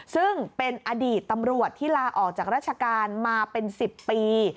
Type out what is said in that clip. ซึ่งเป็นอดีตตำรวจที่ลาออกจากราชการมาเป็น๑๐ปี